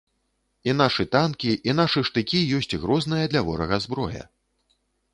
І нашы танкі, і нашы штыкі ёсць грозная для ворага зброя.